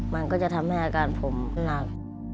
มันก็จะทำให้อาการผมหนัก